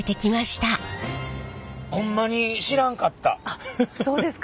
あっそうですか。